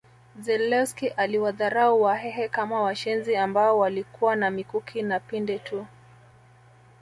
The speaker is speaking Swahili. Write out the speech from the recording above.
Zelewski aliwadharau Wahehe kama washenzi ambao walikuwa na mikuki na pinde tu